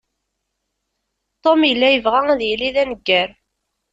Tom yella yebɣa ad yili d aneggar.